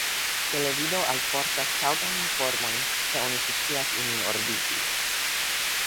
Televido alportas taŭgajn informojn, se oni scias ilin ordigi.